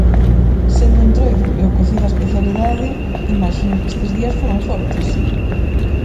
Sendo Entroido e o cocido a especialidade, imaxino que estes días foron fortes.